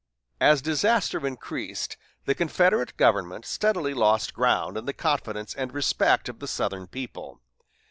As disaster increased, the Confederate government steadily lost ground in the confidence and respect of the Southern people.